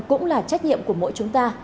cũng là trách nhiệm của mỗi chúng ta